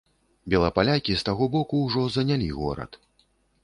Белапалякі з таго боку ўжо занялі горад.